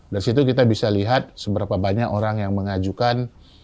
dari situ kita bisa lihat seberapa banyak orang yang mengajukan